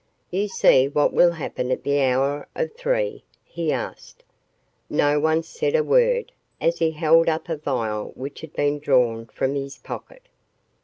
"You see what will happen at the hour of three?" he asked. No one said a word, as he held up a vial which he had drawn from his pocket.